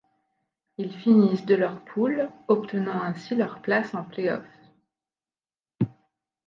Ils finissent de leur poule, obtenant ainsi leur place en playoffs.